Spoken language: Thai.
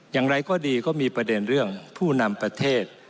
อย่างไรก็ดีก็มีประเด็นเรื่องผู้นำประเทศ